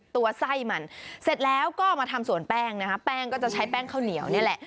ตัวไส้มันเสร็จแล้วก็มาทำสวนแป้งนะคะแป้งก็จะใช้แป้งข้าวเหนียวนี่แหละ